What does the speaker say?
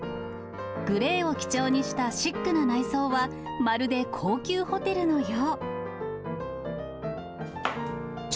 グレーを基調にしたシックな内装は、まるで高級ホテルのよう。